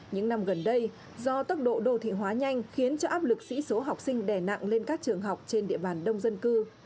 những năm gần đây do tốc độ đô thị hóa nhanh khiến cho áp lực sĩ số học sinh đè nặng lên các trường học trên địa bàn đông dân cư